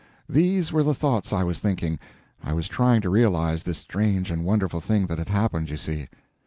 These were the thoughts I was thinking; I was trying to realize this strange and wonderful thing that had happened, you see.